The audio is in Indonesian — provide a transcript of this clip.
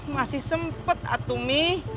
masih sempat atu mi